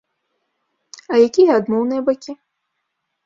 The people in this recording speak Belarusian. А якія адмоўныя бакі?